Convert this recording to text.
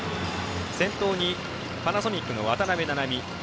先頭にパナソニックの渡邊菜々美